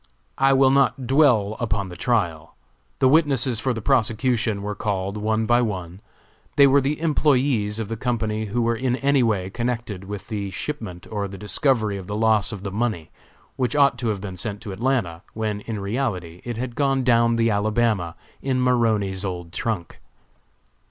I will not dwell upon the trial. The witnesses for the prosecution were called one by one. They were the employés of the company who were in any way connected with the shipment or the discovery of the loss of the money, which ought to have been sent to Atlanta, when, in reality, it had gone down the Alabama in Maroney's old trunk.